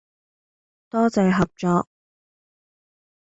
多謝合作